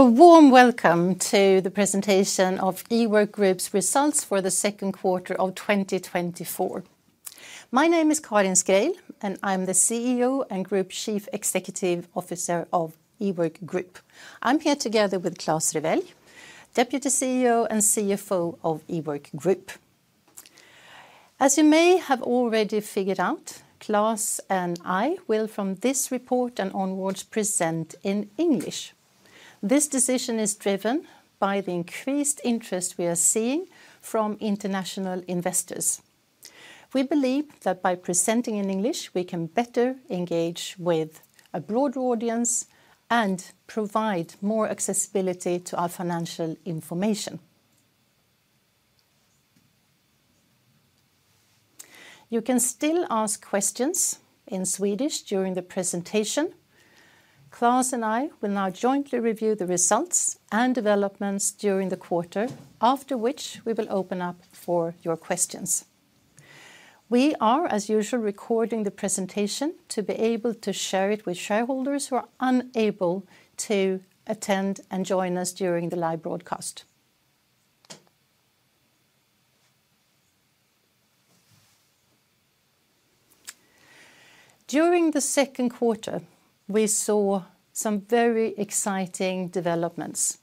A warm welcome to the presentation of Ework Group's results for the second quarter of 2024. My name is Karin Schreil, and I'm the CEO and Group Chief Executive Officer of Ework Group. I'm here together with Klas Rewelj, Deputy CEO and CFO of Ework Group. As you may have already figured out, Klas and I will, from this report and onwards, present in English. This decision is driven by the increased interest we are seeing from international investors. We believe that by presenting in English, we can better engage with a broader audience and provide more accessibility to our financial information. You can still ask questions in Swedish during the presentation. Klas and I will now jointly review the results and developments during the quarter, after which we will open up for your questions. We are, as usual, recording the presentation to be able to share it with shareholders who are unable to attend and join us during the live broadcast. During the second quarter, we saw some very exciting developments.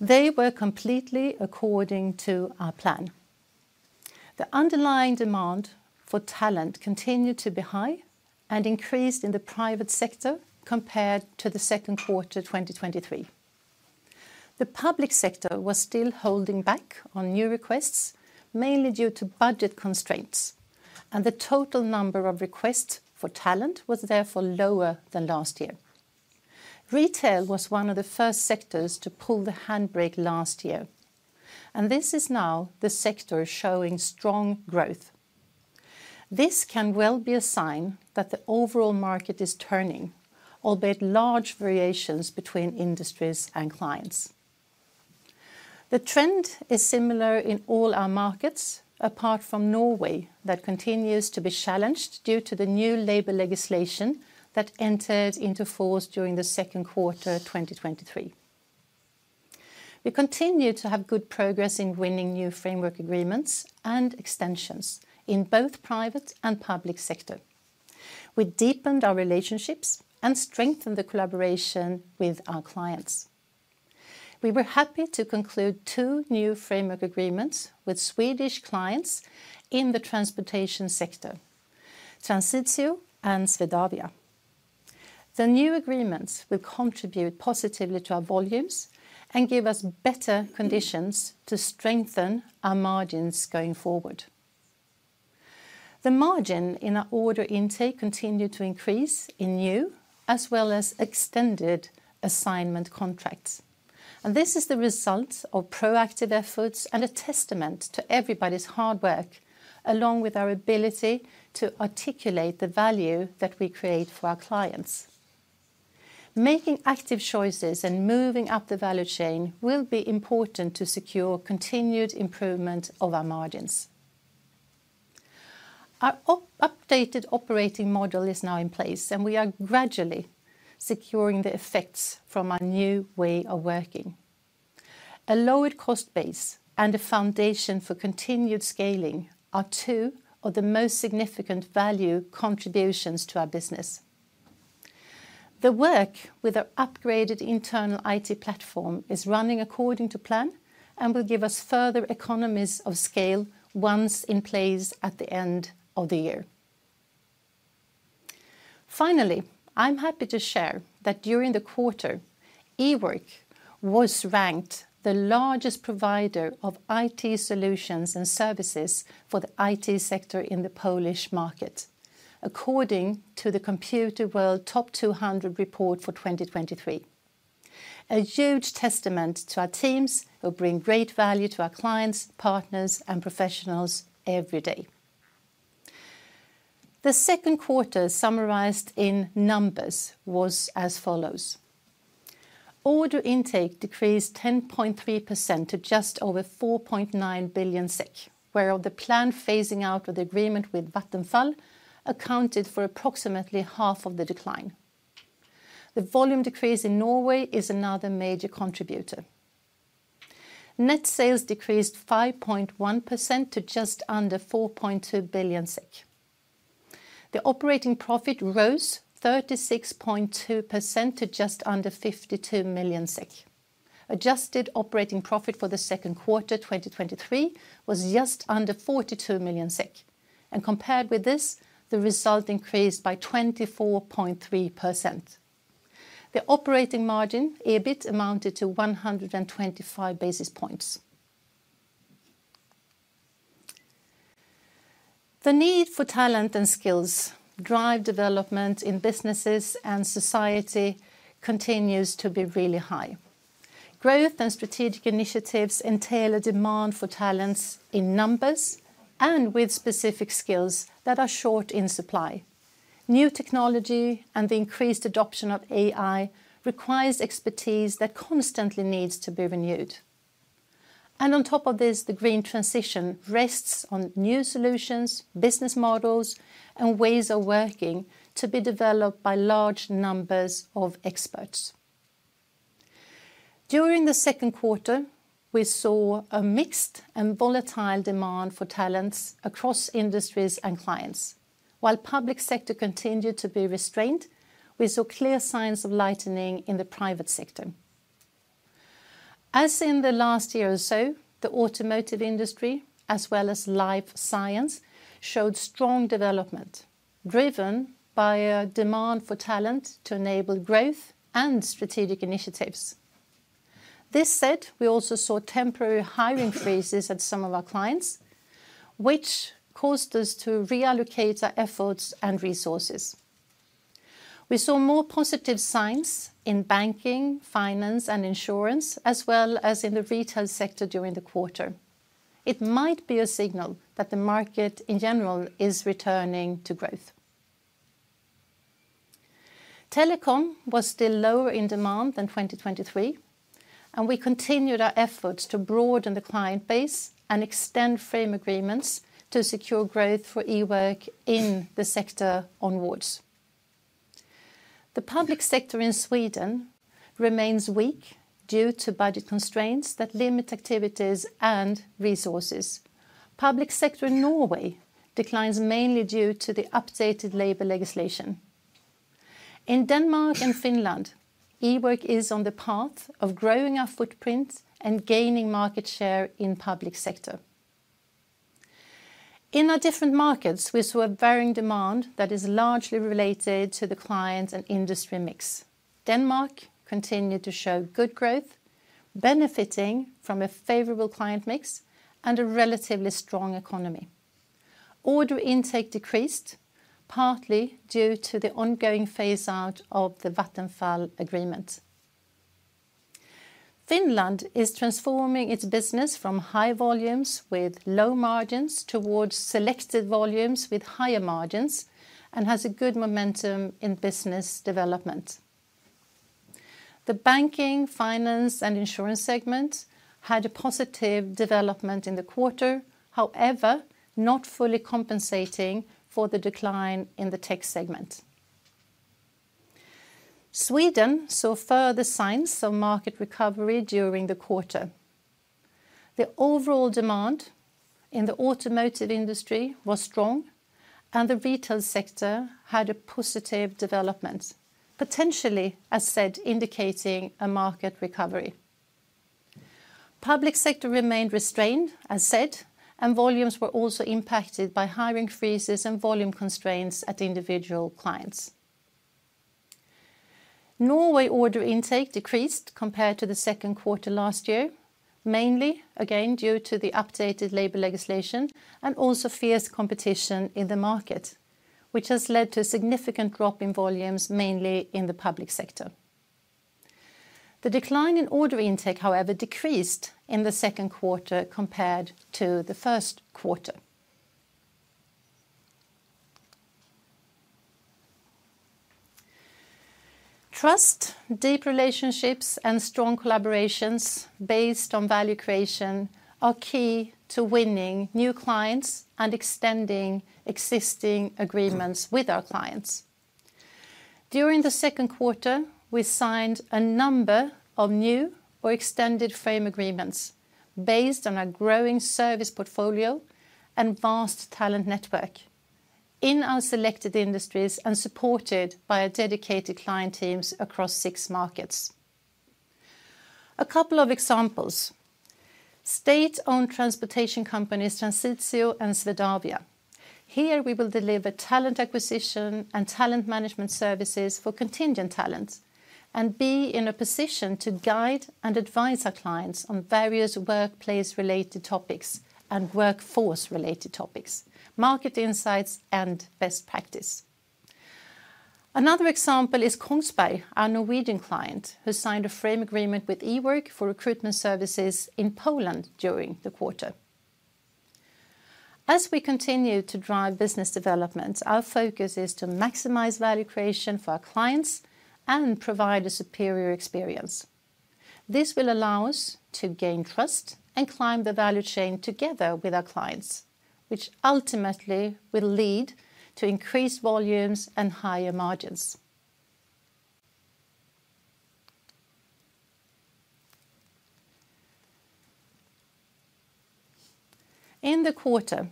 They were completely according to our plan. The underlying demand for talent continued to be high and increased in the private sector compared to the second quarter 2023. The public sector was still holding back on new requests, mainly due to budget constraints, and the total number of requests for talent was therefore lower than last year. Retail was one of the first sectors to pull the handbrake last year, and this is now the sector showing strong growth. This can well be a sign that the overall market is turning, albeit large variations between industries and clients. The trend is similar in all our markets, apart from Norway that continues to be challenged due to the new labor legislation that entered into force during the second quarter 2023. We continue to have good progress in winning new framework agreements and extensions in both private and public sector. We deepened our relationships and strengthened the collaboration with our clients. We were happy to conclude two new framework agreements with Swedish clients in the transportation sector, Transitio and Swedavia. The new agreements will contribute positively to our volumes and give us better conditions to strengthen our margins going forward. The margin in our order intake continued to increase in new as well as extended assignment contracts. This is the result of proactive efforts and a testament to everybody's hard work, along with our ability to articulate the value that we create for our clients. Making active choices and moving up the value chain will be important to secure continued improvement of our margins. Our updated operating model is now in place, and we are gradually securing the effects from our new way of working. A lowered cost base and a foundation for continued scaling are two of the most significant value contributions to our business. The work with our upgraded internal IT platform is running according to plan and will give us further economies of scale once in place at the end of the year. Finally, I'm happy to share that during the quarter, Ework was ranked the largest provider of IT solutions and services for the IT sector in the Polish market, according to the Computerworld Top 200 report for 2023. A huge testament to our teams who bring great value to our clients, partners, and professionals every day. The second quarter summarized in numbers was as follows: Order intake decreased 10.3% to just over 4.9 billion SEK, where the planned phasing out of the agreement with Vattenfall accounted for approximately half of the decline. The volume decrease in Norway is another major contributor. Net sales decreased 5.1% to just under 4.2 billion SEK. The operating profit rose 36.2% to just under 52 million SEK. Adjusted operating profit for the second quarter 2023 was just under 42 million, and compared with this, the result increased by 24.3%. The operating margin EBIT amounted to 125 basis points. The need for talent and skills drives development in businesses and society continues to be really high. Growth and strategic initiatives entail a demand for talents in numbers and with specific skills that are short in supply. New technology and the increased adoption of AI requires expertise that constantly needs to be renewed. On top of this, the green transition rests on new solutions, business models, and ways of working to be developed by large numbers of experts. During the second quarter, we saw a mixed and volatile demand for talents across industries and clients. While the public sector continued to be restrained, we saw clear signs of lightening in the private sector. As in the last year or so, the automotive industry, as well as life science, showed strong development driven by a demand for talent to enable growth and strategic initiatives. This said, we also saw temporary hiring freezes at some of our clients, which caused us to reallocate our efforts and resources. We saw more positive signs in banking, finance, and insurance, as well as in the retail sector during the quarter. It might be a signal that the market in general is returning to growth. Telecom was still lower in demand than 2023, and we continued our efforts to broaden the client base and extend framework agreements to secure growth for Ework in the sector onwards. The public sector in Sweden remains weak due to budget constraints that limit activities and resources. The public sector in Norway declines mainly due to the updated labor legislation. In Denmark and Finland, Ework is on the path of growing our footprint and gaining market share in the public sector. In our different markets, we saw a varying demand that is largely related to the client and industry mix. Denmark continued to show good growth, benefiting from a favorable client mix and a relatively strong economy. Order intake decreased, partly due to the ongoing phase-out of the Vattenfall agreement. Finland is transforming its business from high volumes with low margins toward selected volumes with higher margins and has a good momentum in business development. The banking, finance, and insurance segments had a positive development in the quarter, however, not fully compensating for the decline in the tech segment. Sweden saw further signs of market recovery during the quarter. The overall demand in the automotive industry was strong, and the retail sector had a positive development, potentially, as said, indicating a market recovery. The public sector remained restrained, as said, and volumes were also impacted by hiring freezes and volume constraints at individual clients. Norway order intake decreased compared to the second quarter last year, mainly again due to the updated labor legislation and also fierce competition in the market, which has led to a significant drop in volumes, mainly in the public sector. The decline in order intake, however, decreased in the second quarter compared to the first quarter. Trust, deep relationships, and strong collaborations based on value creation are key to winning new clients and extending existing agreements with our clients. During the second quarter, we signed a number of new or extended framework agreements based on our growing service portfolio and vast talent network in our selected industries and supported by our dedicated client teams across six markets. A couple of examples: state-owned transportation companies Transitio and Swedavia. Here we will deliver talent acquisition and talent management services for contingent talent and be in a position to guide and advise our clients on various workplace-related topics and workforce-related topics, market insights, and best practice. Another example is Kongsberg, our Norwegian client, who signed a framework agreement with Ework for recruitment services in Poland during the quarter. As we continue to drive business development, our focus is to maximize value creation for our clients and provide a superior experience. This will allow us to gain trust and climb the value chain together with our clients, which ultimately will lead to increased volumes and higher margins. In the quarter,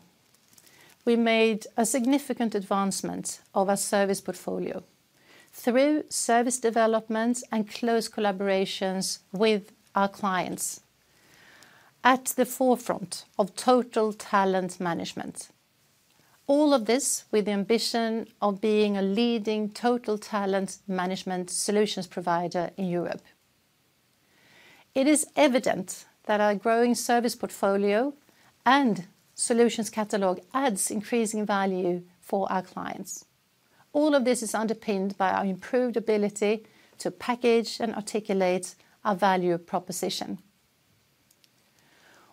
we made a significant advancement of our service portfolio through service development and close collaborations with our clients at the forefront of total talent management. All of this with the ambition of being a leading total talent management solutions provider in Europe. It is evident that our growing service portfolio and solutions catalog adds increasing value for our clients. All of this is underpinned by our improved ability to package and articulate our value proposition.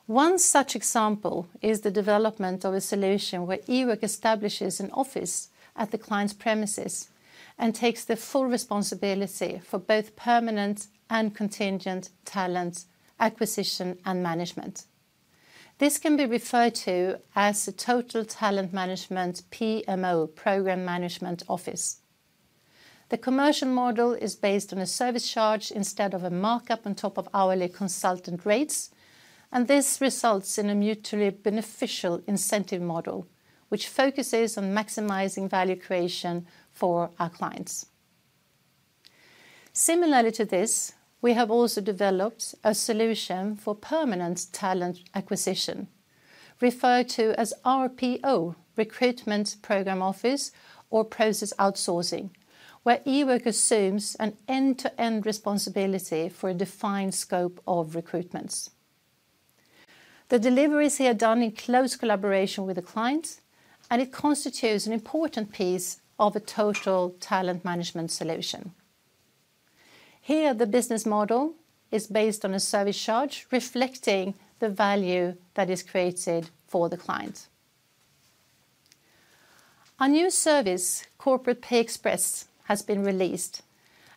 One such example is the development of a solution where Ework establishes an office at the client's premises and takes the full responsibility for both permanent and contingent talent acquisition and management. This can be referred to as a total talent management PMO, program management office. The commercial model is based on a service charge instead of a markup on top of hourly consultant rates, and this results in a mutually beneficial incentive model, which focuses on maximizing value creation for our clients. Similarly to this, we have also developed a solution for permanent talent acquisition, referred to as RPO, Recruitment Process Outsourcing, where Ework assumes an end-to-end responsibility for a defined scope of recruitments. The deliveries here are done in close collaboration with the client, and it constitutes an important piece of a total talent management solution. Here, the business model is based on a service charge reflecting the value that is created for the client. Our new service, Corporate PayExpress, has been released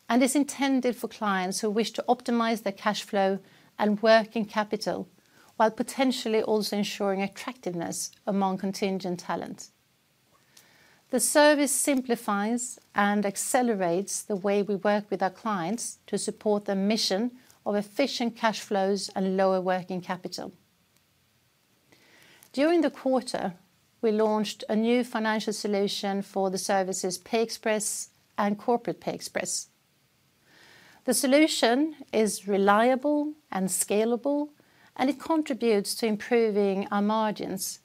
and is intended for clients who wish to optimize their cash flow and working capital while potentially also ensuring attractiveness among contingent talent. The service simplifies and accelerates the way we work with our clients to support the mission of efficient cash flows and lower working capital. During the quarter, we launched a new financial solution for the services PayExpress and Corporate PayExpress. The solution is reliable and scalable, and it contributes to improving our margins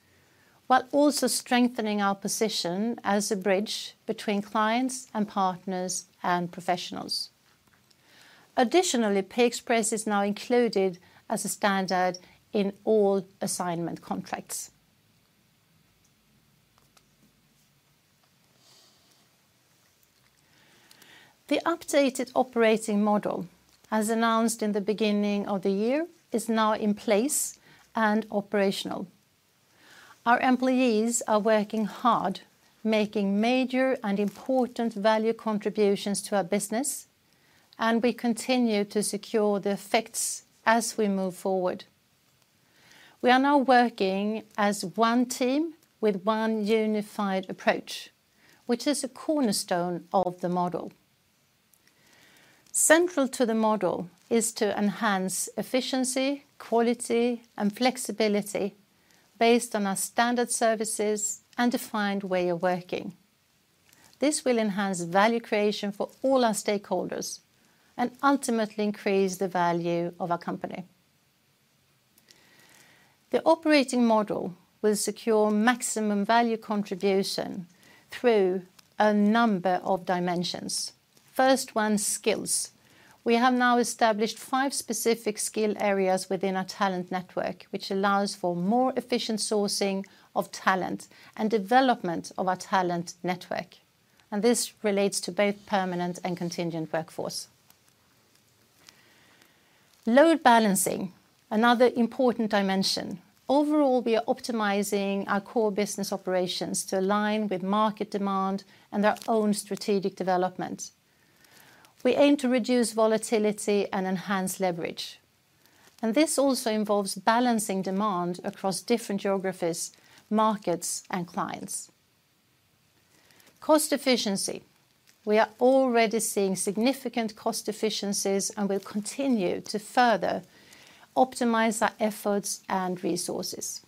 while also strengthening our position as a bridge between clients and partners and professionals. Additionally, PayExpress is now included as a standard in all assignment contracts. The updated operating model, as announced in the beginning of the year, is now in place and operational. Our employees are working hard, making major and important value contributions to our business, and we continue to secure the effects as we move forward. We are now working as one team with one unified approach, which is a cornerstone of the model. Central to the model is to enhance efficiency, quality, and flexibility based on our standard services and defined way of working. This will enhance value creation for all our stakeholders and ultimately increase the value of our company. The operating model will secure maximum value contribution through a number of dimensions. First, one skills. We have now established five specific skill areas within our talent network, which allows for more efficient sourcing of talent and development of our talent network, and this relates to both permanent and contingent workforce. Load balancing, another important dimension. Overall, we are optimizing our core business operations to align with market demand and our own strategic development. We aim to reduce volatility and enhance leverage, and this also involves balancing demand across different geographies, markets, and clients. Cost efficiency. We are already seeing significant cost efficiencies and will continue to further optimize our efforts and resources.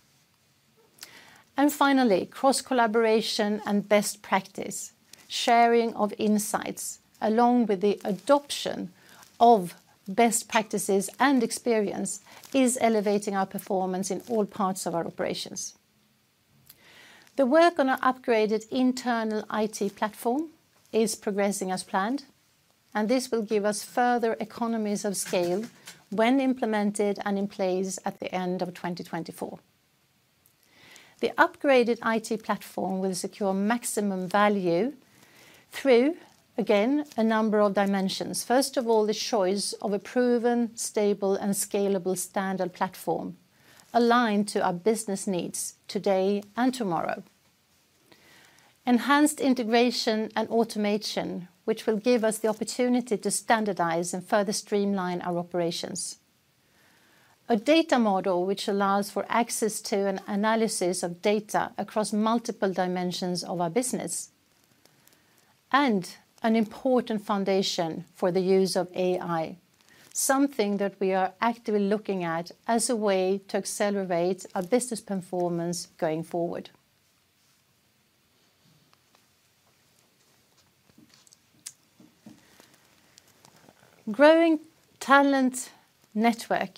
And finally, cross-collaboration and best practice. Sharing of insights along with the adoption of best practices and experience is elevating our performance in all parts of our operations. The work on our upgraded internal IT platform is progressing as planned, and this will give us further economies of scale when implemented and in place at the end of 2024. The upgraded IT platform will secure maximum value through, again, a number of dimensions. First of all, the choice of a proven, stable, and scalable standard platform aligned to our business needs today and tomorrow. Enhanced integration and automation, which will give us the opportunity to standardize and further streamline our operations. A data model which allows for access to an analysis of data across multiple dimensions of our business and an important foundation for the use of AI, something that we are actively looking at as a way to accelerate our business performance going forward. Growing talent network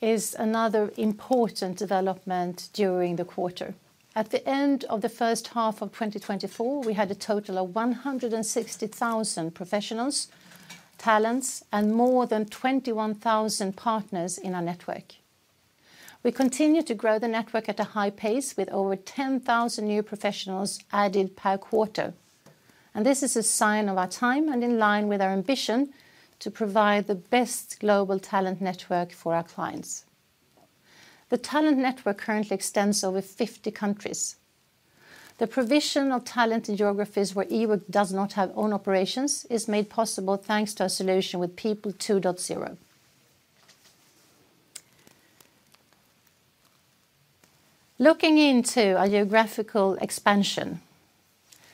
is another important development during the quarter. At the end of the first half of 2024, we had a total of 160,000 professionals, talents, and more than 21,000 partners in our network. We continue to grow the network at a high pace with over 10,000 new professionals added per quarter, and this is a sign of our time and in line with our ambition to provide the best global talent network for our clients. The talent network currently extends over 50 countries. The provision of talent in geographies where Ework does not have own operations is made possible thanks to our solution with People2.0. Looking into our geographical expansion,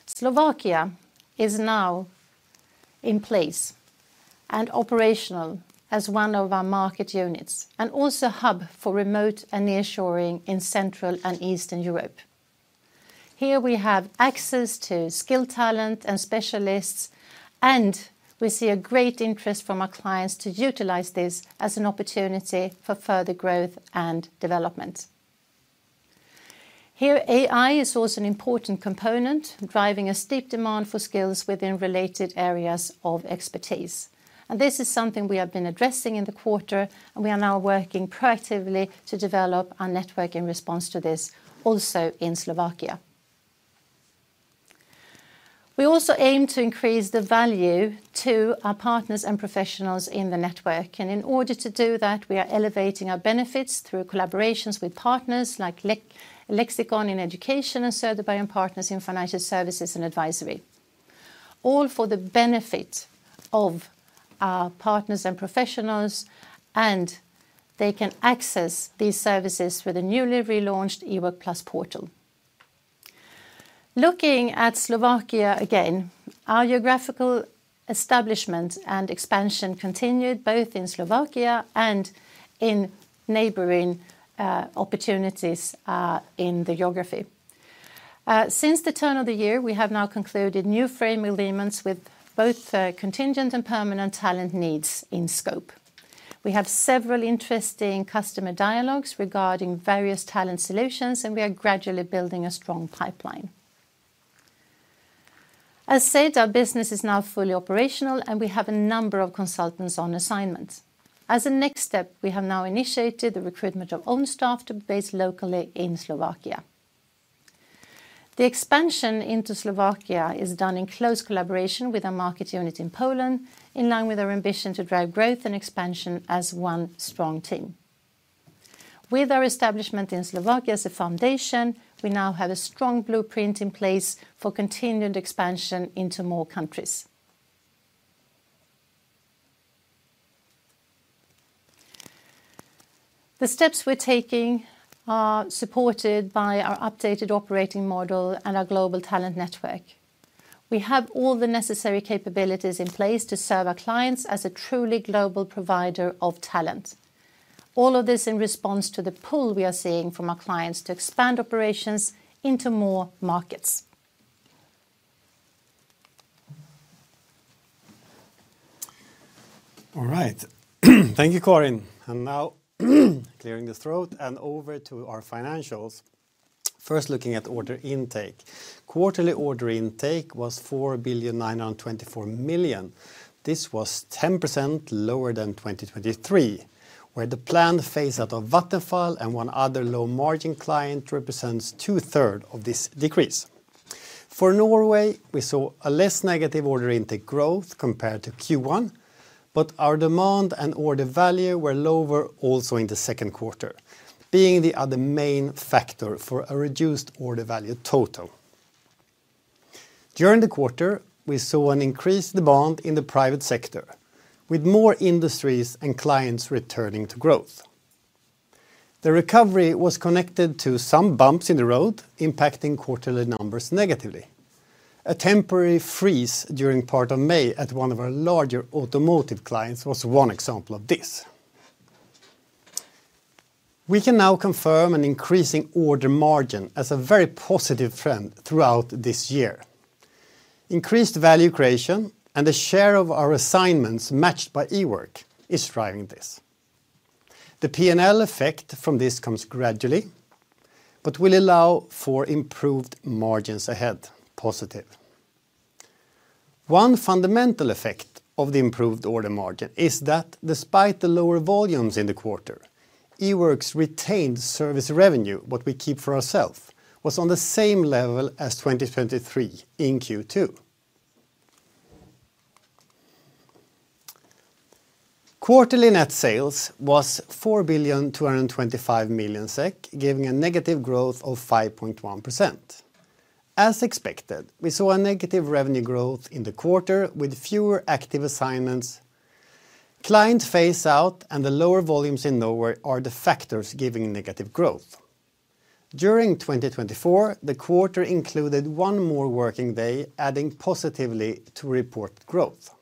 Slovakia is now in place and operational as one of our market units and also a hub for remote and nearshoring in Central and Eastern Europe. Here we have access to skilled talent and specialists, and we see a great interest from our clients to utilize this as an opportunity for further growth and development. Here, AI is also an important component driving a steep demand for skills within related areas of expertise, and this is something we have been addressing in the quarter, and we are now working proactively to develop our network in response to this also in Slovakia. We also aim to increase the value to our partners and professionals in the network, and in order to do that, we are elevating our benefits through collaborations with partners like Lexicon in education and Söderberg & Partners in financial services and advisory, all for the benefit of our partners and professionals, and they can access these services through the newly relaunched EworkPlus portal. Looking at Slovakia again, our geographical establishment and expansion continued both in Slovakia and in neighboring opportunities in the geography. Since the turn of the year, we have now concluded new framework agreements with both contingent and permanent talent needs in scope. We have several interesting customer dialogues regarding various talent solutions, and we are gradually building a strong pipeline. As said, our business is now fully operational, and we have a number of consultants on assignment. As a next step, we have now initiated the recruitment of own staff to be based locally in Slovakia. The expansion into Slovakia is done in close collaboration with our market unit in Poland, in line with our ambition to drive growth and expansion as one strong team. With our establishment in Slovakia as a foundation, we now have a strong blueprint in place for continued expansion into more countries. The steps we're taking are supported by our updated operating model and our global talent network. We have all the necessary capabilities in place to serve our clients as a truly global provider of talent. All of this in response to the pull we are seeing from our clients to expand operations into more markets. All right. Thank you, Karin. Now clearing the throat and over to our financials. First, looking at order intake. Quarterly order intake was 4,924 million. This was 10% lower than 2023, where the planned phase-out of Vattenfall and one other low-margin client represents two-thirds of this decrease. For Norway, we saw a less negative order intake growth compared to Q1, but our demand and order value were lower also in the second quarter, being the other main factor for a reduced order value total. During the quarter, we saw an increased demand in the private sector, with more industries and clients returning to growth. The recovery was connected to some bumps in the road, impacting quarterly numbers negatively. A temporary freeze during part of May at one of our larger automotive clients was one example of this. We can now confirm an increasing order margin as a very positive trend throughout this year. Increased value creation and the share of our assignments matched by Ework is driving this. The P&L effect from this comes gradually, but will allow for improved margins ahead, positive. One fundamental effect of the improved order margin is that despite the lower volumes in the quarter, Ework's retained service revenue, what we keep for ourselves, was on the same level as 2023 in Q2. Quarterly net sales was 4,225 million SEK, giving a negative growth of 5.1%. As expected, we saw a negative revenue growth in the quarter with fewer active assignments. Client phase-out and the lower volumes in Norway are the factors giving negative growth. During 2024, the quarter included one more working day, adding positively to reported growth.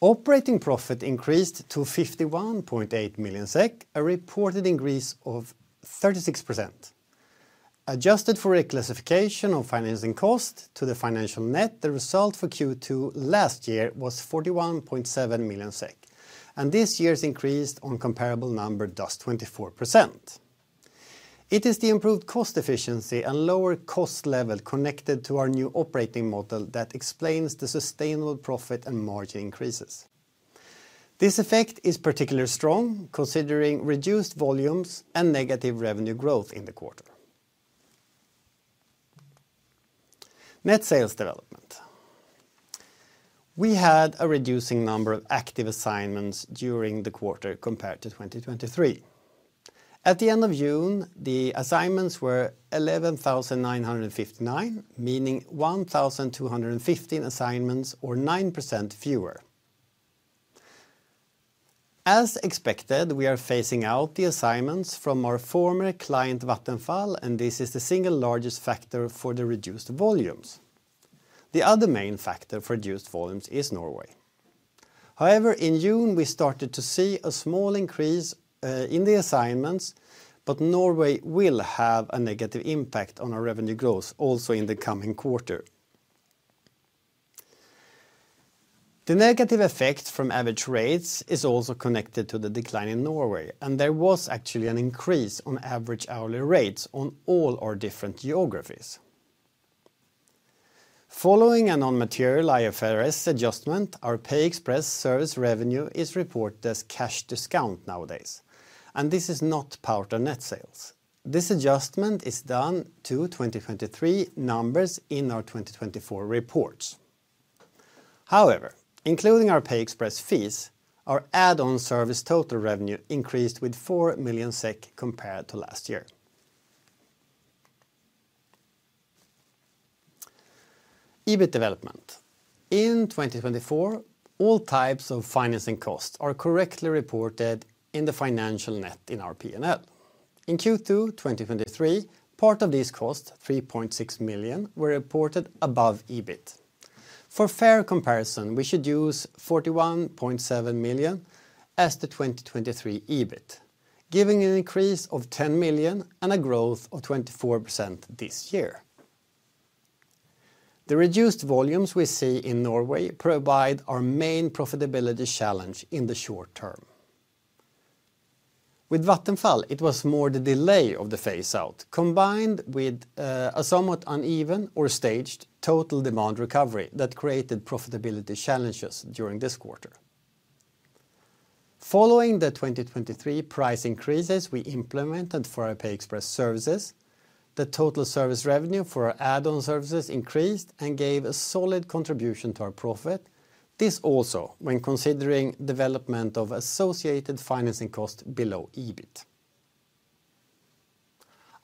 Operating profit increased to 51.8 million SEK, a reported increase of 36%. Adjusted for a classification of financing cost to the financial net, the result for Q2 last year was 41.7 million SEK, and this year's increase on comparable number does 24%. It is the improved cost efficiency and lower cost level connected to our new operating model that explains the sustainable profit and margin increases. This effect is particularly strong considering reduced volumes and negative revenue growth in the quarter. Net sales development. We had a reducing number of active assignments during the quarter compared to 2023. At the end of June, the assignments were 11,959, meaning 1,215 assignments or 9% fewer. As expected, we are phasing out the assignments from our former client Vattenfall, and this is the single largest factor for the reduced volumes. The other main factor for reduced volumes is Norway. However, in June, we started to see a small increase in the assignments, but Norway will have a negative impact on our revenue growth also in the coming quarter. The negative effect from average rates is also connected to the decline in Norway, and there was actually an increase on average hourly rates on all our different geographies. Following a non-material IFRS adjustment, our PayExpress service revenue is reported as cash discount nowadays, and this is not part of net sales. This adjustment is done to 2023 numbers in our 2024 reports. However, including our PayExpress fees, our add-on service total revenue increased with 4 million SEK compared to last year. EBIT development. In 2024, all types of financing costs are correctly reported in the financial net in our P&L. In Q2 2023, part of these costs, 3.6 million, were reported above EBIT. For fair comparison, we should use 41.7 million as the 2023 EBIT, giving an increase of 10 million and a growth of 24% this year. The reduced volumes we see in Norway provide our main profitability challenge in the short term. With Vattenfall, it was more the delay of the phase-out combined with a somewhat uneven or staged total demand recovery that created profitability challenges during this quarter. Following the 2023 price increases we implemented for our PayExpress services, the total service revenue for our add-on services increased and gave a solid contribution to our profit, this also when considering development of associated financing costs below EBIT.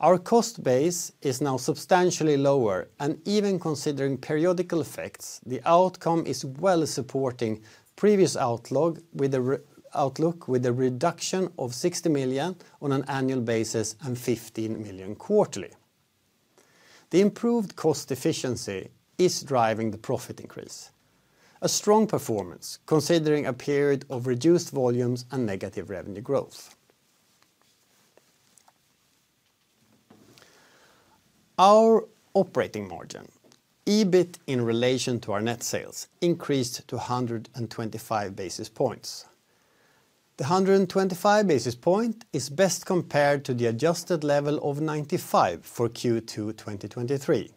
Our cost base is now substantially lower, and even considering periodical effects, the outcome is well supporting previous outlook with a reduction of 60 million on an annual basis and 15 million quarterly. The improved cost efficiency is driving the profit increase. A strong performance considering a period of reduced volumes and negative revenue growth. Our operating margin, EBIT in relation to our net sales, increased to 125 basis points. The 125 basis point is best compared to the adjusted level of 95 for Q2 2023,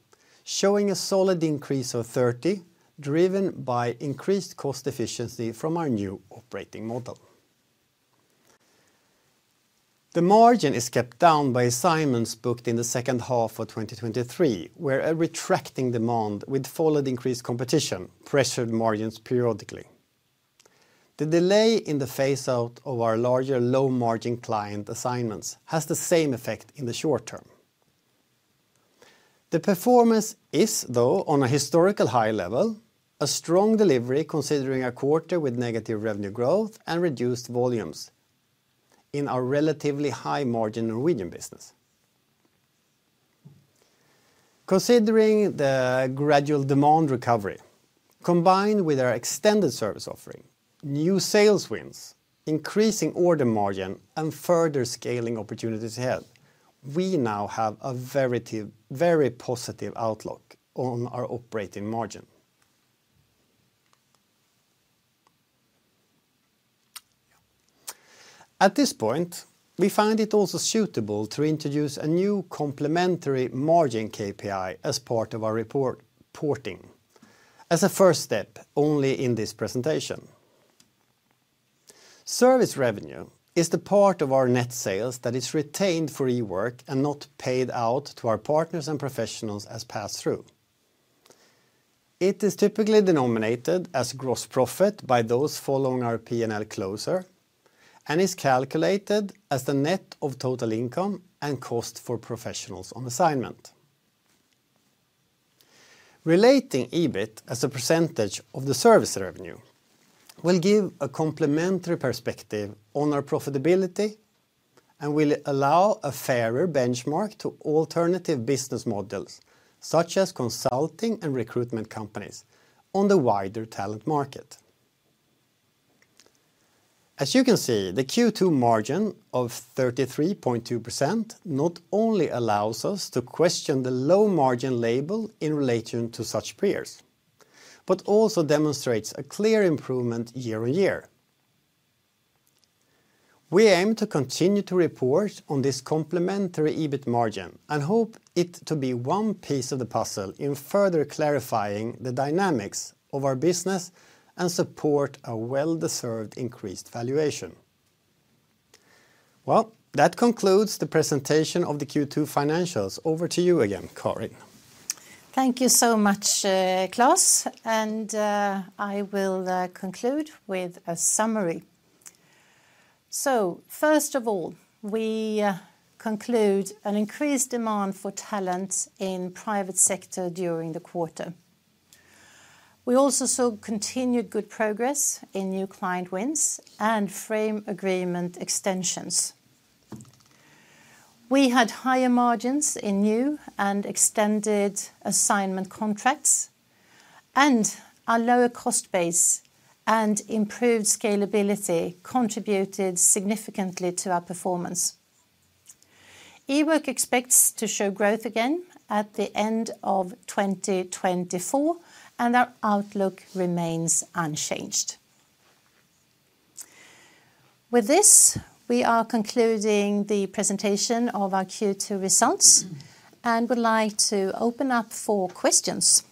showing a solid increase of 30 driven by increased cost efficiency from our new operating model. The margin is kept down by assignments booked in the second half of 2023, where a retracting demand with followed increased competition pressured margins periodically. The delay in the phase-out of our larger low-margin client assignments has the same effect in the short term. The performance is, though, on a historical high level, a strong delivery considering a quarter with negative revenue growth and reduced volumes in our relatively high-margin Norwegian business. Considering the gradual demand recovery, combined with our extended service offering, new sales wins, increasing order margin, and further scaling opportunities ahead, we now have a very positive outlook on our operating margin. At this point, we find it also suitable to introduce a new complementary margin KPI as part of our reporting, as a first step only in this presentation. Service revenue is the part of our net sales that is retained for Ework and not paid out to our partners and professionals as pass-through. It is typically denominated as gross profit by those following our P&L closer and is calculated as the net of total income and cost for professionals on assignment. Relating EBIT as a percentage of the service revenue will give a complementary perspective on our profitability and will allow a fairer benchmark to alternative business models such as consulting and recruitment companies on the wider talent market. As you can see, the Q2 margin of 33.2% not only allows us to question the low margin label in relation to such peers, but also demonstrates a clear improvement year-on-year. We aim to continue to report on this complementary EBIT margin and hope it to be one piece of the puzzle in further clarifying the dynamics of our business and support a well-deserved increased valuation. Well, that concludes the presentation of the Q2 financials. Over to you again, Karin. Thank you so much, Klas. And I will conclude with a summary. So, first of all, we conclude an increased demand for talent in the private sector during the quarter. We also saw continued good progress in new client wins and framework agreement extensions. We had higher margins in new and extended assignment contracts, and our lower cost base and improved scalability contributed significantly to our performance. Ework expects to show growth again at the end of 2024, and our outlook remains unchanged. With this, we are concluding the presentation of our Q2 results and would like to open up for questions.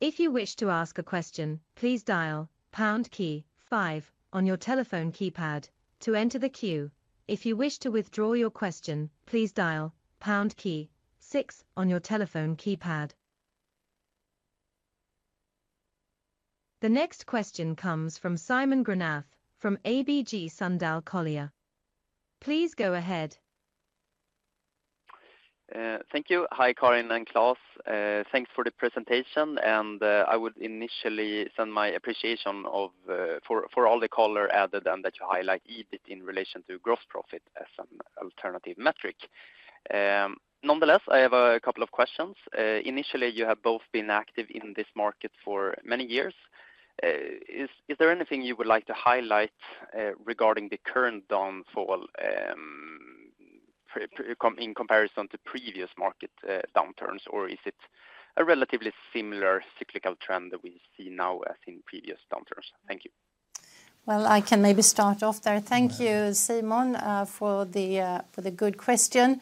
If you wish to ask a question, please dial #5 on your telephone keypad to enter the queue. If you wish to withdraw your question, please dial #6 on your telephone keypad. The next question comes from Simon Granath from ABG Sundal Collier. Please go ahead. Thank you. Hi, Karin and Klas. Thanks for the presentation. I would initially send my appreciation for all the color added and that you highlight EBIT in relation to gross profit as an alternative metric. Nonetheless, I have a couple of questions. Initially, you have both been active in this market for many years. Is there anything you would like to highlight regarding the current downfall in comparison to previous market downturns, or is it a relatively similar cyclical trend that we see now as in previous downturns? Thank you. Well, I can maybe start off there. Thank you, Simon, for the good question.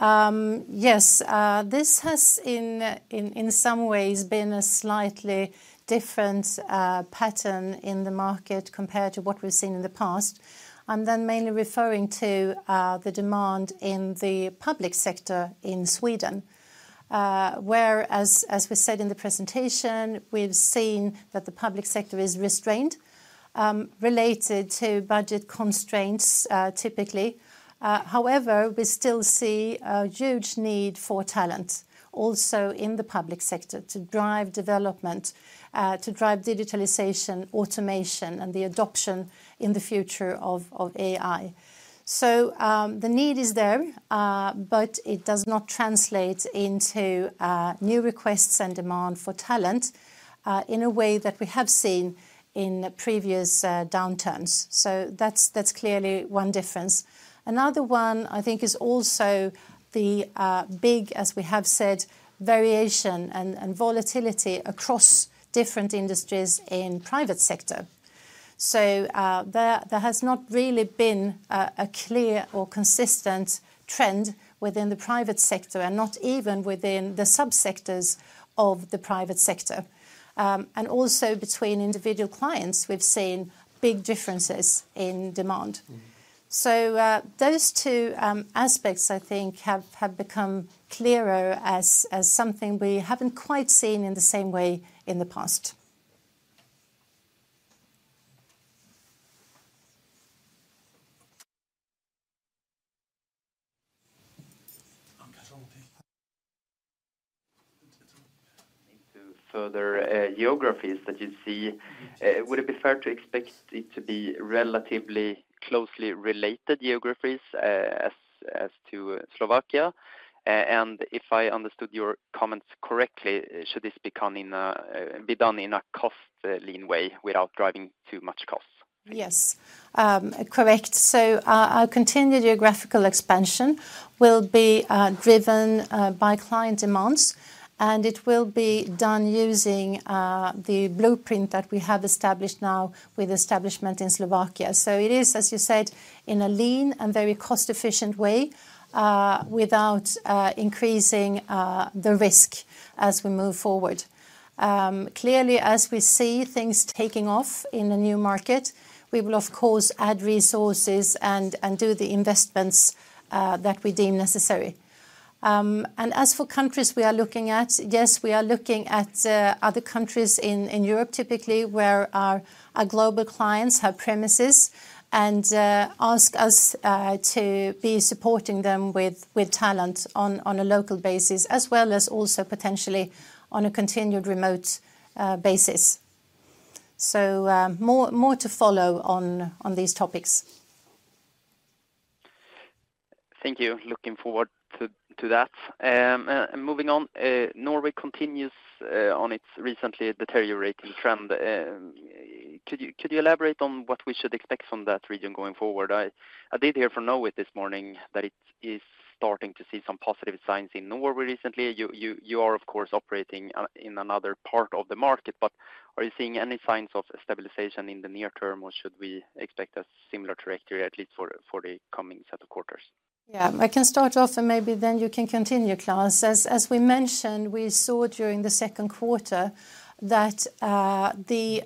Yes, this has in some ways been a slightly different pattern in the market compared to what we've seen in the past. I'm then mainly referring to the demand in the public sector in Sweden, where, as we said in the presentation, we've seen that the public sector is restrained related to budget constraints typically. However, we still see a huge need for talent also in the public sector to drive development, to drive digitalization, automation, and the adoption in the future of AI. So the need is there, but it does not translate into new requests and demand for talent in a way that we have seen in previous downturns. So that's clearly one difference. Another one, I think, is also the big, as we have said, variation and volatility across different industries in the private sector. So there has not really been a clear or consistent trend within the private sector and not even within the subsectors of the private sector. And also between individual clients, we've seen big differences in demand. So those two aspects, I think, have become clearer as something we haven't quite seen in the same way in the past. To further geographies that you see, would it be fair to expect it to be relatively closely related geographies as to Slovakia? If I understood your comments correctly, should this be done in a cost-lean way without driving too much cost? Yes, correct. Our continued geographical expansion will be driven by client demands, and it will be done using the blueprint that we have established now with establishment in Slovakia. It is, as you said, in a lean and very cost-efficient way without increasing the risk as we move forward. Clearly, as we see things taking off in a new market, we will, of course, add resources and do the investments that we deem necessary. And as for countries we are looking at, yes, we are looking at other countries in Europe typically where our global clients have premises and ask us to be supporting them with talent on a local basis, as well as also potentially on a continued remote basis. So more to follow on these topics. Thank you. Looking forward to that. Moving on, Norway continues on its recently deteriorating trend. Could you elaborate on what we should expect from that region going forward? I did hear from Norway this morning that it is starting to see some positive signs in Norway recently. You are, of course, operating in another part of the market, but are you seeing any signs of stabilization in the near term, or should we expect a similar trajectory at least for the coming set of quarters? Yeah, I can start off, and maybe then you can continue, Klas. As we mentioned, we saw during the second quarter that the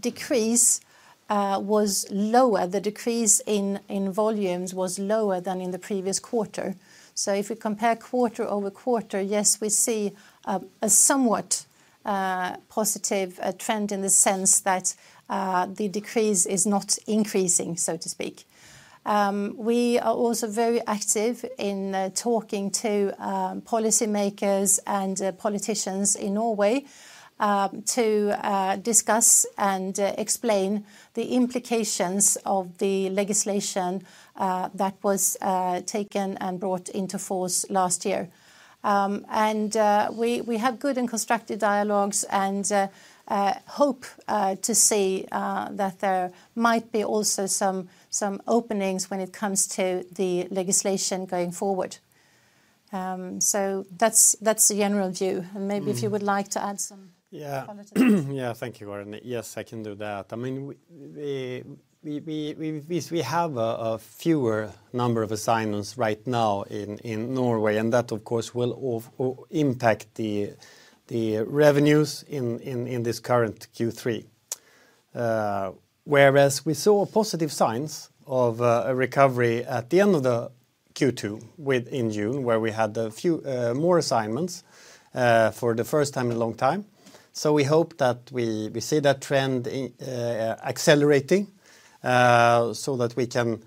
decrease was lower. The decrease in volumes was lower than in the previous quarter. So if we compare quarter-over-quarter, yes, we see a somewhat positive trend in the sense that the decrease is not increasing, so to speak. We are also very active in talking to policymakers and politicians in Norway to discuss and explain the implications of the legislation that was taken and brought into force last year. And we have good and constructive dialogues and hope to see that there might be also some openings when it comes to the legislation going forward. So that's the general view. And maybe if you would like to add some. Yeah, thank you, Karin. Yes, I can do that. I mean, we have a fewer number of assignments right now in Norway, and that, of course, will impact the revenues in this current Q3. Whereas we saw positive signs of a recovery at the end of the Q2 in June, where we had a few more assignments for the first time in a long time. So we hope that we see that trend accelerating so that we can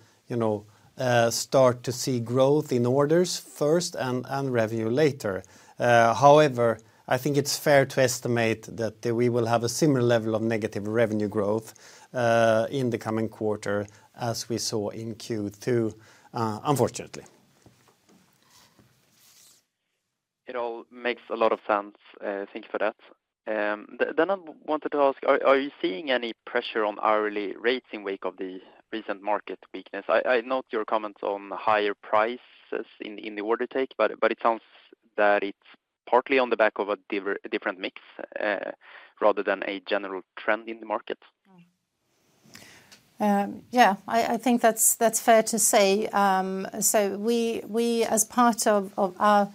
start to see growth in orders first and revenue later. However, I think it's fair to estimate that we will have a similar level of negative revenue growth in the coming quarter as we saw in Q2, unfortunately. It all makes a lot of sense. Thank you for that. Then I wanted to ask, are you seeing any pressure on hourly rates in the wake of the recent market weakness? I note your comments on higher prices in the order intake, but it sounds that it's partly on the back of a different mix rather than a general trend in the market. Yeah, I think that's fair to say. So we, as part of our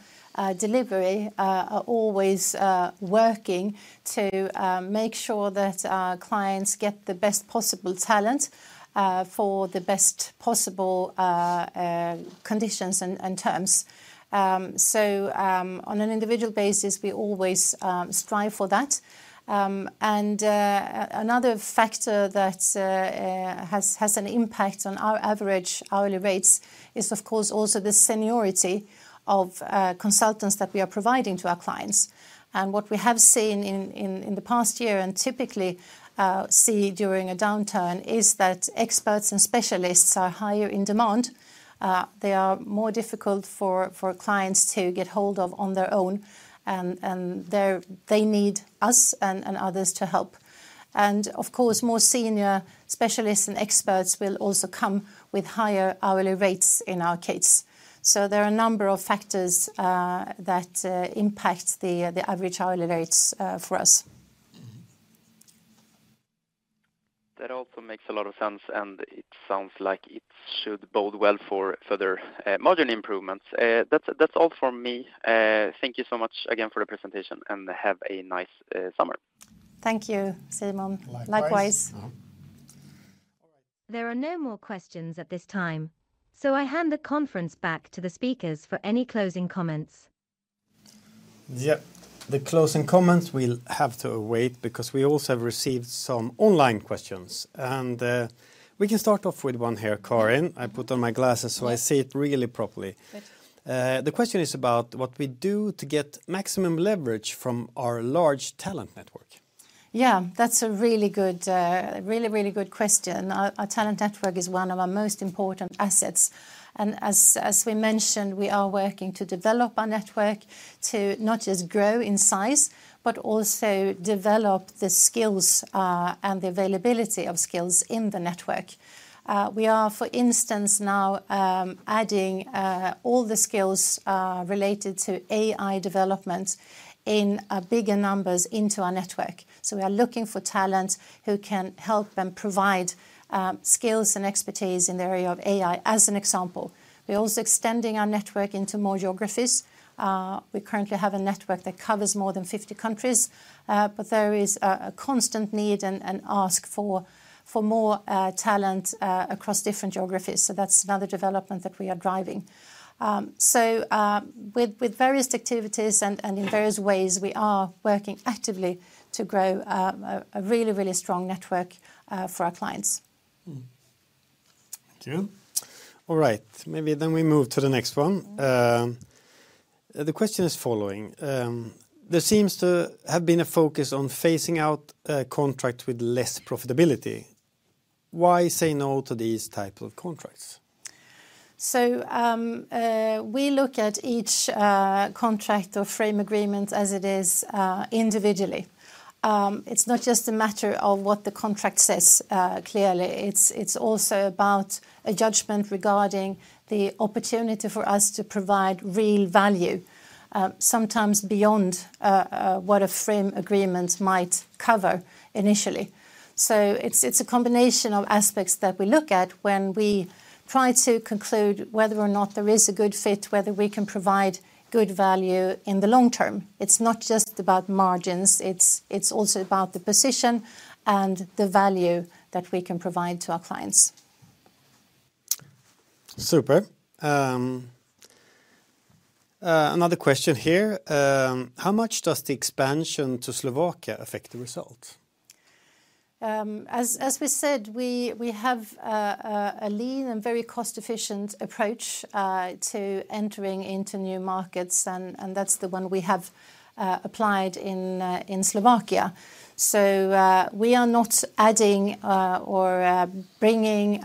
delivery, are always working to make sure that our clients get the best possible talent for the best possible conditions and terms. So on an individual basis, we always strive for that. And another factor that has an impact on our average hourly rates is, of course, also the seniority of consultants that we are providing to our clients. And what we have seen in the past year and typically see during a downturn is that experts and specialists are higher in demand. They are more difficult for clients to get hold of on their own, and they need us and others to help. Of course, more senior specialists and experts will also come with higher hourly rates in our case. There are a number of factors that impact the average hourly rates for us. That also makes a lot of sense, and it sounds like it should bode well for further margin improvements. That's all from me. Thank you so much again for the presentation, and have a nice summer. Thank you, Simon. Likewise. There are no more questions at this time, so I hand the conference back to the speakers for any closing comments. Yeah, the closing comments we'll have to await because we also have received some online questions. We can start off with one here, Karin. I put on my glasses so I see it really properly. The question is about what we do to get maximum leverage from our large talent network. Yeah, that's a really good, really, really good question. Our talent network is one of our most important assets. As we mentioned, we are working to develop our network to not just grow in size, but also develop the skills and the availability of skills in the network. We are, for instance, now adding all the skills related to AI development in bigger numbers into our network. So we are looking for talent who can help and provide skills and expertise in the area of AI, as an example. We are also extending our network into more geographies. We currently have a network that covers more than 50 countries, but there is a constant need and ask for more talent across different geographies. So that's another development that we are driving. So with various activities and in various ways, we are working actively to grow a really, really strong network for our clients. Thank you. All right, maybe then we move to the next one. The question is following. There seems to have been a focus on phasing out contracts with less profitability. Why say no to these types of contracts? So we look at each contract or framework agreement as it is individually. It's not just a matter of what the contract says clearly. It's also about a judgment regarding the opportunity for us to provide real value, sometimes beyond what a framework agreement might cover initially. So it's a combination of aspects that we look at when we try to conclude whether or not there is a good fit, whether we can provide good value in the long term. It's not just about margins. It's also about the position and the value that we can provide to our clients. Super. Another question here. How much does the expansion to Slovakia affect the result? As we said, we have a lean and very cost-efficient approach to entering into new markets, and that's the one we have applied in Slovakia. So we are not adding or bringing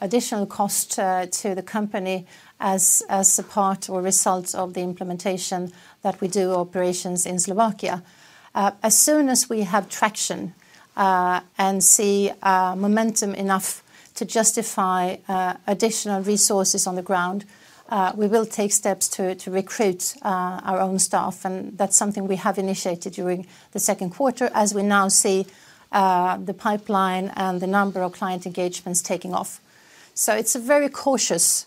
additional cost to the company as a part or result of the implementation that we do operations in Slovakia. As soon as we have traction and see momentum enough to justify additional resources on the ground, we will take steps to recruit our own staff. And that's something we have initiated during the second quarter, as we now see the pipeline and the number of client engagements taking off. So it's a very cautious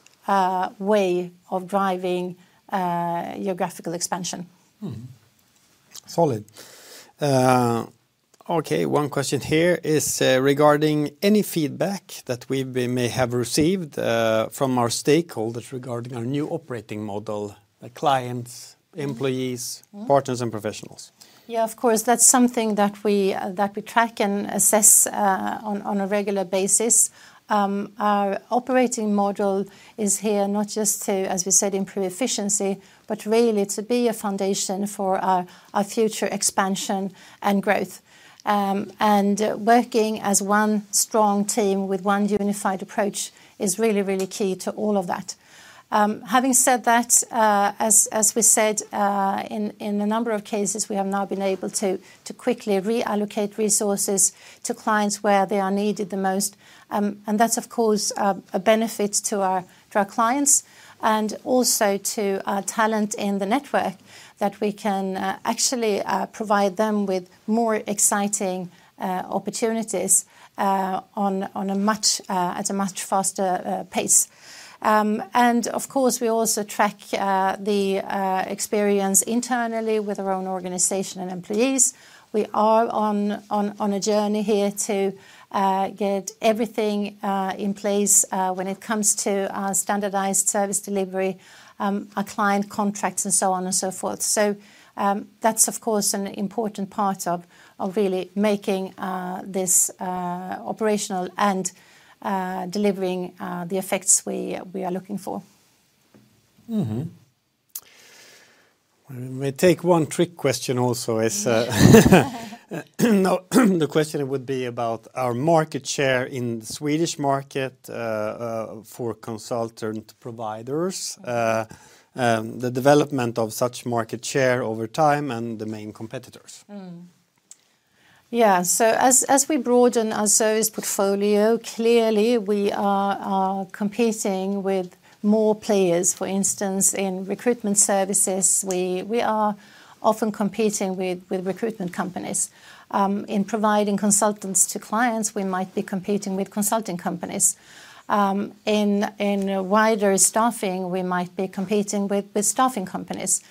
way of driving geographical expansion. Solid. Okay, one question here is regarding any feedback that we may have received from our stakeholders regarding our new operating model: clients, employees, partners, and professionals. Yeah, of course, that's something that we track and assess on a regular basis. Our operating model is here not just to, as we said, improve efficiency, but really to be a foundation for our future expansion and growth. And working as one strong team with one unified approach is really, really key to all of that. Having said that, as we said, in a number of cases, we have now been able to quickly reallocate resources to clients where they are needed the most. And that's, of course, a benefit to our clients and also to our talent in the network that we can actually provide them with more exciting opportunities at a much faster pace. Of course, we also track the experience internally with our own organization and employees. We are on a journey here to get everything in place when it comes to standardized service delivery, our client contracts, and so on and so forth. So that's, of course, an important part of really making this operational and delivering the effects we are looking for. We may take one trick question also. The question would be about our market share in the Swedish market for consultant providers, the development of such market share over time, and the main competitors. Yeah, so as we broaden our service portfolio, clearly, we are competing with more players. For instance, in recruitment services, we are often competing with recruitment companies. In providing consultants to clients, we might be competing with consulting companies. In wider staffing, we might be competing with staffing companies.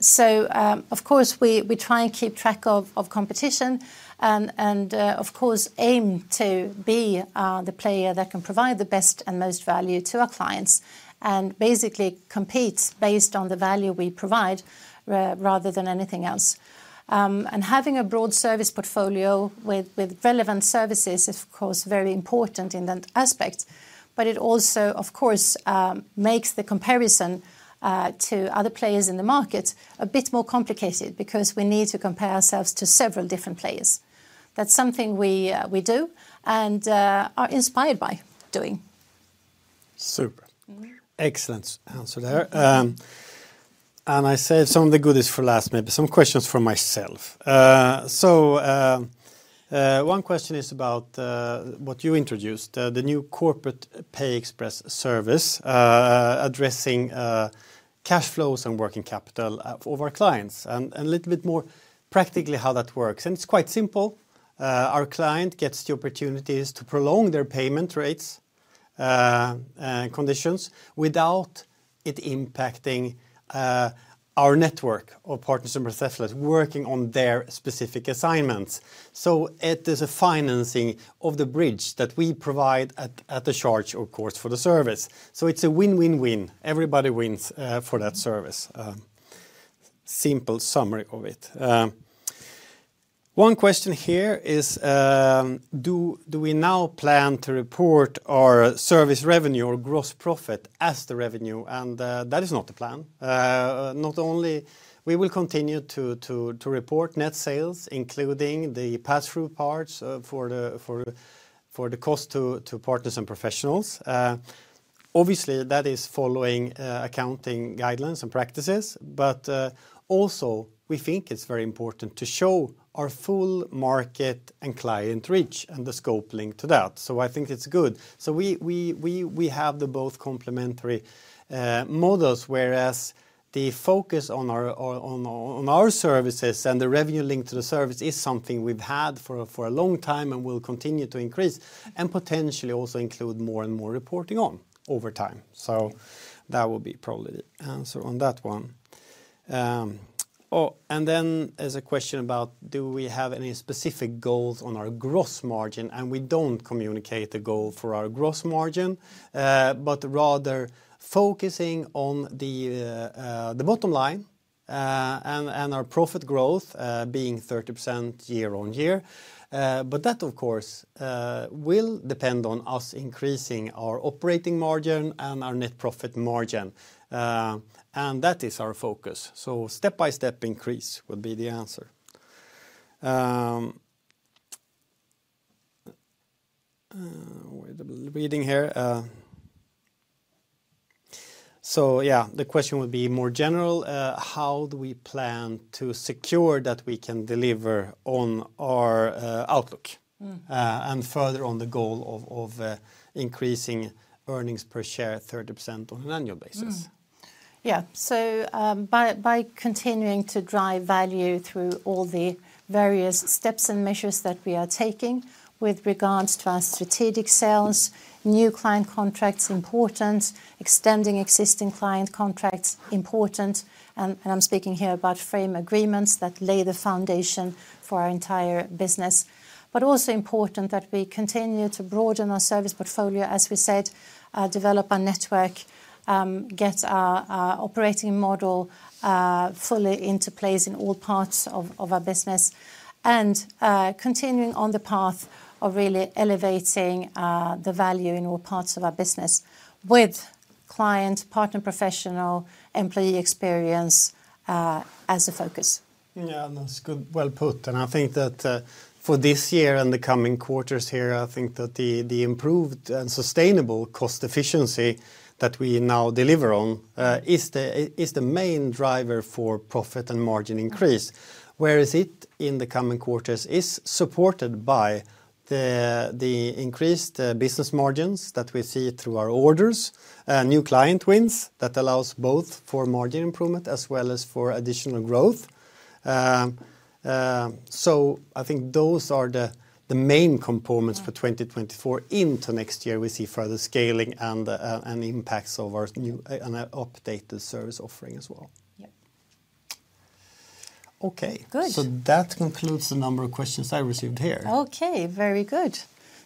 So, of course, we try and keep track of competition and, of course, aim to be the player that can provide the best and most value to our clients and basically compete based on the value we provide rather than anything else. Having a broad service portfolio with relevant services is, of course, very important in that aspect, but it also, of course, makes the comparison to other players in the market a bit more complicated because we need to compare ourselves to several different players. That's something we do and are inspired by doing. Super. Excellent answer there. I saved some of the goodies for last, maybe some questions for myself. One question is about what you introduced, the new Corporate PayExpress service addressing cash flows and working capital of our clients. And a little bit more practically how that works. And it's quite simple. Our client gets the opportunities to prolong their payment rates and conditions without it impacting our network of partners and professionals working on their specific assignments. So it is a financing of the bridge that we provide at the charge, of course, for the service. So it's a win-win-win. Everybody wins for that service. Simple summary of it. One question here is, do we now plan to report our service revenue or gross profit as the revenue? And that is not the plan. Not only will we continue to report net sales, including the pass-through parts for the cost to partners and professionals. Obviously, that is following accounting guidelines and practices, but also we think it's very important to show our full market and client reach and the scope linked to that. So I think it's good. So we have both complementary models, whereas the focus on our services and the revenue linked to the service is something we've had for a long time and will continue to increase and potentially also include more and more reporting on over time. So that will be probably the answer on that one. And then there's a question about, do we have any specific goals on our gross margin? And we don't communicate the goal for our gross margin, but rather focusing on the bottom line and our profit growth being 30% year-over-year. But that, of course, will depend on us increasing our operating margin and our net profit margin. And that is our focus. So step-by-step increase would be the answer. Reading here. So yeah, the question would be more general. How do we plan to secure that we can deliver on our outlook and further on the goal of increasing earnings per share 30% on an annual basis? Yeah, so by continuing to drive value through all the various steps and measures that we are taking with regards to our strategic sales, new client contracts important, extending existing client contracts important. And I'm speaking here about framework agreements that lay the foundation for our entire business. But also important that we continue to broaden our service portfolio, as we said, develop our network, get our operating model fully into place in all parts of our business, and continuing on the path of really elevating the value in all parts of our business with client, partner, professional, employee experience as a focus. Yeah, that's well put. I think that for this year and the coming quarters here, I think that the improved and sustainable cost efficiency that we now deliver on is the main driver for profit and margin increase. Whereas it in the coming quarters is supported by the increased business margins that we see through our orders, new client wins that allows both for margin improvement as well as for additional growth. I think those are the main components for 2024. Into next year, we see further scaling and impacts of our new and updated service offering as well. Okay, that concludes the number of questions I received here. Okay, very good.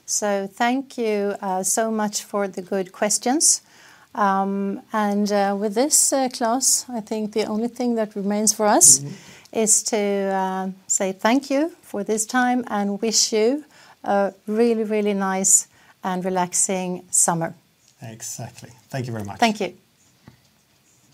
Thank you so much for the good questions. And with this, Klas, I think the only thing that remains for us is to say thank you for this time and wish you a really, really nice and relaxing summer. Exactly. Thank you very much. Thank you.